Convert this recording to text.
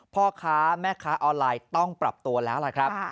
พ่อค้าแม่ค้าออนไลน์ต้องปรับตัวแล้วล่ะครับ